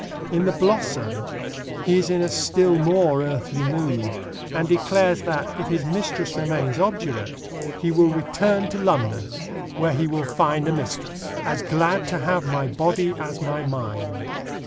In The Blossom he is in a still more earthly mood, and declares that, if his mistress remains obdurate, he will return to London, where he will find a mistress: As glad to have my body as my mind.